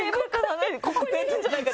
ここにいるんじゃないか。